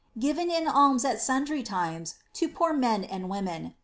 Given in alms, at sundry times, to poor men and women, 7